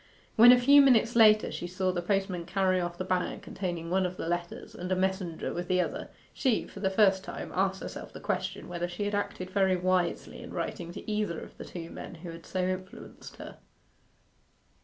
When, a few minutes later, she saw the postman carry off the bag containing one of the letters, and a messenger with the other, she, for the first time, asked herself the question whether she had acted very wisely in writing to either of the two men who had so influenced her.